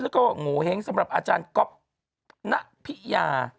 แล้วก็โงเห้งสำหรับอาจารย์ก๊อฟณพิยา